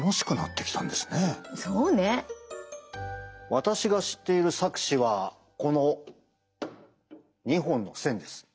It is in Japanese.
私が知っている錯視はこの２本の線です。